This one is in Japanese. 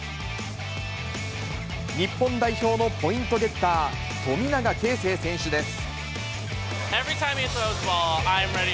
日本代表のポイントゲッター、富永啓生選手です。